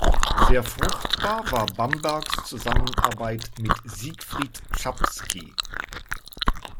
Sehr fruchtbar war Bambergs Zusammenarbeit mit Siegfried Czapski.